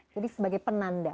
jadi sebagai penanda